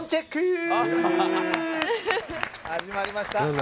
始まりました。